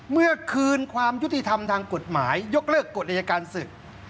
เมื่อคืนความยุติธรรมทางกฎหมายยกเลิกกฎอายการศึก